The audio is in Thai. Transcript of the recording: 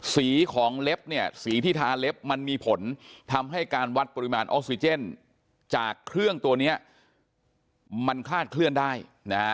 สีของเล็บเนี่ยสีที่ทาเล็บมันมีผลทำให้การวัดปริมาณออกซิเจนจากเครื่องตัวนี้มันคลาดเคลื่อนได้นะฮะ